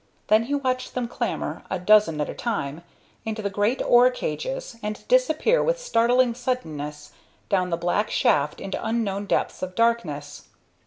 Then he watched them clamber, a dozen at a time, into the great ore cages and disappear with startling suddenness down the black shaft into unknown depths of darkness.